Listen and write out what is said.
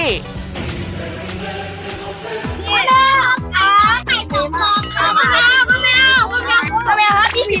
ฮัโลฮอฮัลโฮอื้อไอ่ผมหอบครับครับ